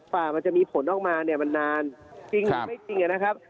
กว่ามันจะมีผลออกมาเนี่ยมันนานจริงหรือไม่จริงนะครับ